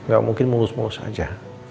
gak mungkin mulus mulus saja